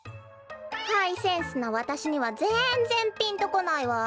ハイセンスのわたしにはぜんぜんピンとこないわ。